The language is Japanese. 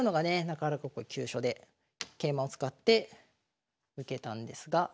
中原囲い急所で桂馬を使って受けたんですが。